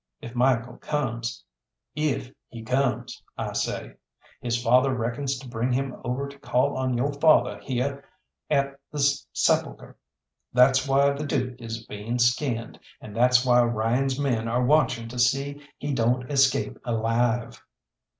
If Michael comes if he comes, I say his father reckons to bring him over to call on yo' father here at the 'Sepulchre.' That's why the Dook is bein' skinned, and that's why Ryan's men are watching to see he don't escape alive."